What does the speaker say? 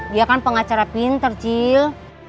dia kan pengacara pinter cil